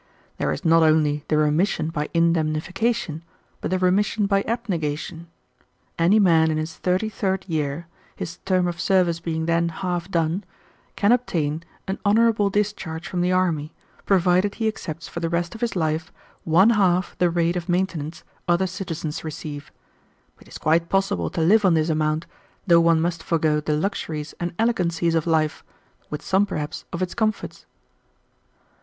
There is not only the remission by indemnification but the remission by abnegation. Any man in his thirty third year, his term of service being then half done, can obtain an honorable discharge from the army, provided he accepts for the rest of his life one half the rate of maintenance other citizens receive. It is quite possible to live on this amount, though one must forego the luxuries and elegancies of life, with some, perhaps, of its comforts."